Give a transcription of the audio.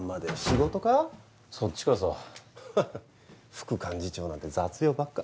副幹事長なんて雑用ばっか。